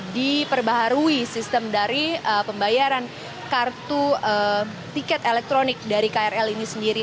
diperbaharui sistem dari pembayaran kartu tiket elektronik dari krl ini sendiri